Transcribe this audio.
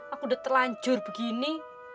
aku udah terlanjur begini